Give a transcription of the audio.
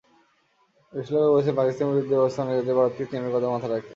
বিশ্লেষকেরা বলছেন, পাকিস্তানের বিরুদ্ধে ব্যবস্থা নেওয়ার ক্ষেত্রে ভারতকে চীনের কথাও মাথায় রাখতে হবে।